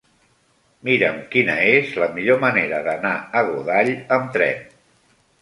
Mira'm quina és la millor manera d'anar a Godall amb tren.